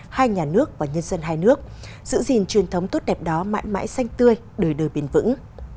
hai nhà nước và nhân dân hai nước giữ gìn truyền thống tốt đẹp đó mãi mãi xanh tươi đời đời bền vững